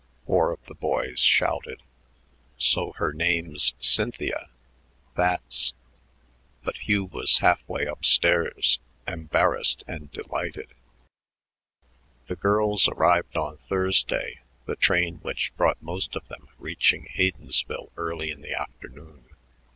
four of the boys shouted. "So her name's Cynthia. That's " But Hugh was half way up stairs, embarrassed and delighted. The girls arrived on Thursday, the train which brought most of them reaching Haydensville early in the afternoon.